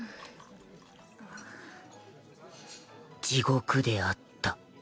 地獄であった